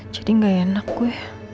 jadi gak enak gue